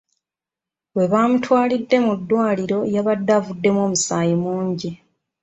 We baamutwalidde mu ddwaliro yabadde avuddemu omusaayi mungi.